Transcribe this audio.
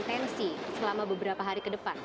potensi selama beberapa hari ke depan